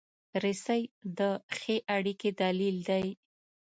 رسۍ د ښې اړیکې دلیل دی.